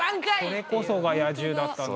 それこそが野獣だったのか。